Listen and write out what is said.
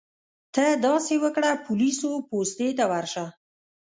ته داسې وکړه پولیسو پوستې ته ورشه.